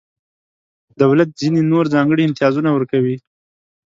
دولت ځینې نور ځانګړي امتیازونه ورکوي.